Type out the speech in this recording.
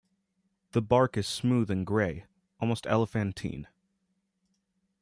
The bark is smooth and grey, almost elephantine.